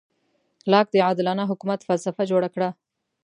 لاک د عادلانه حکومت فلسفه جوړه کړه.